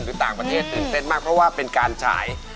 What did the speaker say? หรือต่างประเทศตื่นเต้นมากเพราะว่าเป็นการฉาย